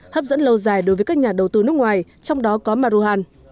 hấp dẫn lâu dài đối với các nhà đầu tư nước ngoài trong đó có maruhan